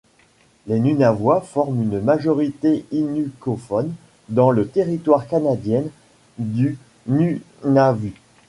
Les Nunavois forment une majorité inukophone dans le territoire canadienne du Nunavut.